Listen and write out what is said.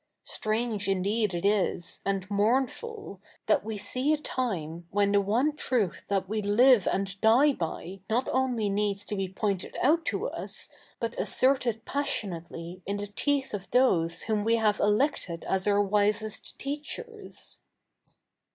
Strange indeed is it, and mournful, that we see a time when the one truth that we live and die by not only needs to be pointed out to us, but asserted passionately in the teeth of those whom we have elected as our wisest teachers.'